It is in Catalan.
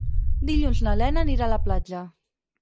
Dilluns na Lena anirà a la platja.